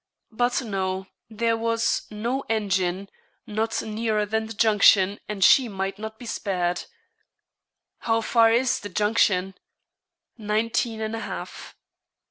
But, no, there was 'no engine not nearer than the junction, and she might not be spared.' 'How far is the junction?' 'Nineteen and a half.'